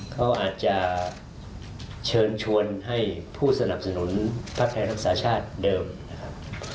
เขาอาจจะเชิญชวนให้ผู้สนับสนุนภาคไทยรักษาชาติเดิมนะครับ